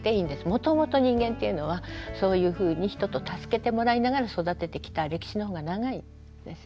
もともと人間っていうのはそういうふうに人と助けてもらいながら育ててきた歴史のほうが長いんですね。